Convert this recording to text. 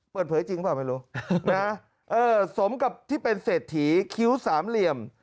เปิดเผยจริงหรือเปล่าไม่รู้สมกับที่เป็นเศษถีคิ้วสามเหลี่ยม